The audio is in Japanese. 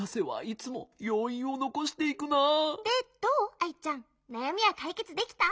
アイちゃんなやみはかいけつできた？